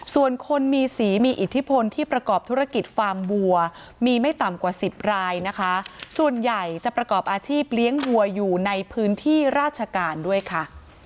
ส่วนคนมีสีมีอิทธิพลที่ประกอบธุรกิจฟาร์มวัวมีไม่ต่ำกว่าสิบรายนะคะส่วนใหญ่จะประกอบอาชีพเลี้ยงวัวอยู่ในพื้นที่ราชการด้วยค่ะ